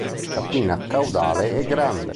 La pinna caudale è grande.